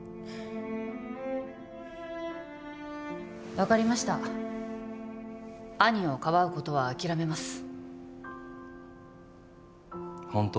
分かりました兄をかばうことは諦めますホント？